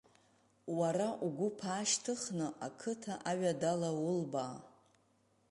Уара угәыԥ аашьҭыхны ақыҭа аҩада ала улбаа.